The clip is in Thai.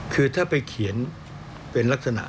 คือถ้าไปเขียนเป็นลักษณะ